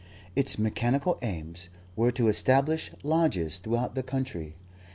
Its mechanical aims were to establish lodges throughout the country.